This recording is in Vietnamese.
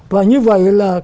và như vậy là